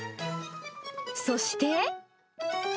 そして。